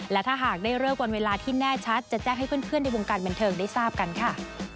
และถ้าหากได้เลิกวันเวลาที่แน่ชัดจะแจ้งให้เพื่อนในวงการบันเทิงได้ทราบกันค่ะ